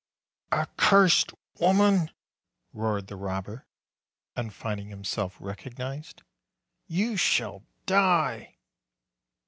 "Accursed woman," roared the robber, on finding himself recognized, "you shall die!"